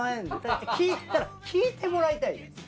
聞いたら聞いてもらいたい。